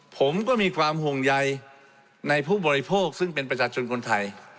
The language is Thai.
ผมก็มีความห่วงใยในผู้บริโภคซึ่งเป็นประชาชนคนไทย